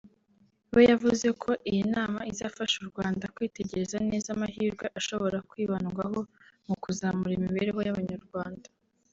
we yavuze ko iyi nama izafasha u Rwanda kwitegereza neza amahirwe ashobora kwibandwaho mu kuzamura imibereho y’Abanyarwanda